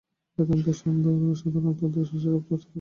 বেদান্ত সাধারণতন্ত্রী ঈশ্বরকেই প্রচার করে।